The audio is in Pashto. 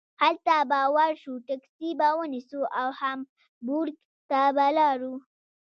هلته به ور شو ټکسي به ونیسو او هامبورګ ته به لاړو.